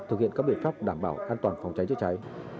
thực hiện các biện pháp đảm bảo an toàn phòng cháy chữa cháy